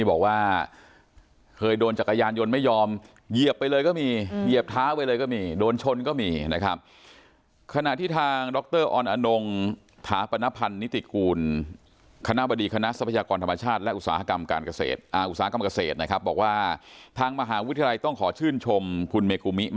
บอกว่าเปยโดนจักรยานยนต์ยอมไม่ยอมเหยียบไปเลยก็มีเหยียบท้าไป๑๙๘๒